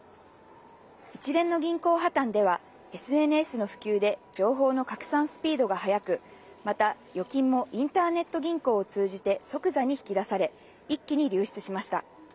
一連の銀行破綻では、ＳＮＳの普及で情報の拡散スピードが速く、また、預金もインターネット銀行を通じて即座に引き出され、一気に流出しました。